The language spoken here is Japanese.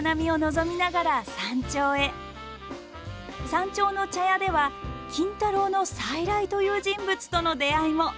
山頂の茶屋では金太郎の再来という人物との出会いも。